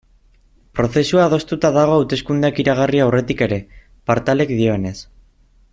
Prozesua adostuta dago hauteskundeak iragarri aurretik ere, Partalek dioenez.